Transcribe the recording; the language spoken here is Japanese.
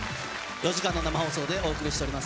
４時間の生放送でお送りしております